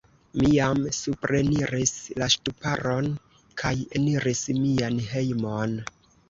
Mi jam supreniris la ŝtuparon kaj eniris mian hejmon.